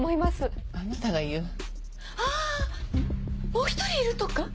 もう１人いるとか？